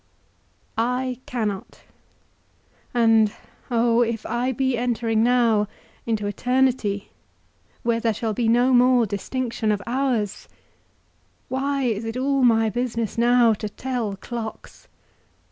I cannot, and oh, if I be entering now into eternity, where there shall be no more distinction of hours, why is it all my business now to tell clocks?